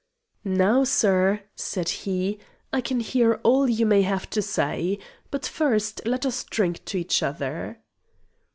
"Now, sir," said he, "I can hear all you may have to say. But first let us drink to each other."